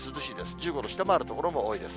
１５度下回る所も多いです。